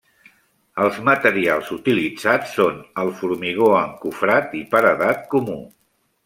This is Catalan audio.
Els materials utilitzats són el formigó encofrat i paredat comú.